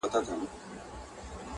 غټ غټ راته ګوري ستا تصویر خبري نه کوي،